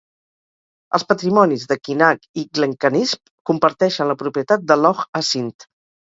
Els patrimonis de Quinag i Glencanisp comparteixen la propietat de Loch Assynt.